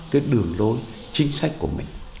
cái đường đối chính sách của mình